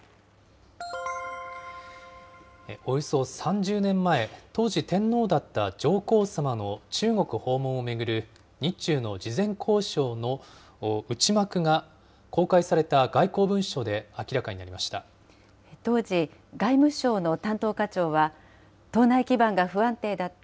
およそ３０年前、当時、天皇だった上皇さまの中国訪問を巡る日中の事前交渉の内幕が公開された外交文書で明らかになりました。